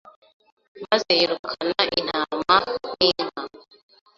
maze yirukana intama n inka